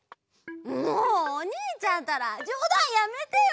もうおにいちゃんったらじょうだんやめてよ！